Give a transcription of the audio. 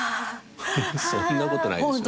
そんなことないでしょ。